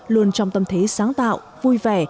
luôn trong tâm thế sáng tạo vui vẻ